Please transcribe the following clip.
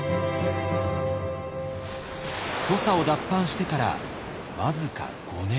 土佐を脱藩してから僅か５年。